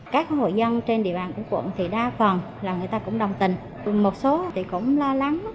các hội dân trên địa bàn của quận thì đa phần là người ta cũng đồng tình một số thì cũng lo lắng